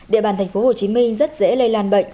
địa bàn tp hcm rất dễ lây lan bệnh